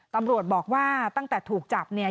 ตำรวจบอกว่าตั้งแต่ถูกจับเนี่ย